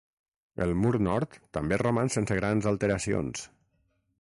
El mur nord també roman sense grans alteracions.